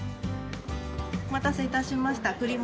お待たせいたしました。